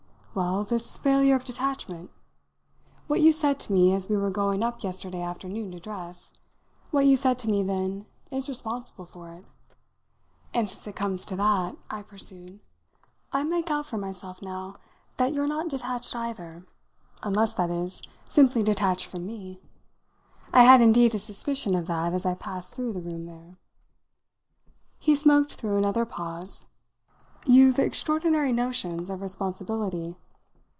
"Well, this failure of detachment. What you said to me as we were going up yesterday afternoon to dress what you said to me then is responsible for it. And since it comes to that," I pursued, "I make out for myself now that you're not detached either unless, that is, simply detached from me. I had indeed a suspicion of that as I passed through the room there." He smoked through another pause. "You've extraordinary notions of responsibility."